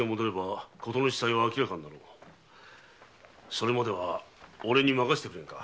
それまでは俺に任せてくれぬか？